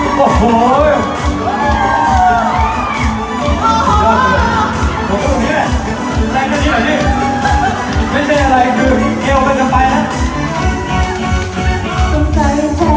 อย่าว่ากันอย่าว่ากันอย่าว่ากัน